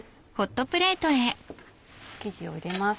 生地を入れます。